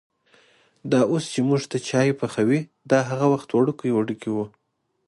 دا اوس چې مونږ ته چای پخوي، دا هغه وخت وړوکی وړکی و.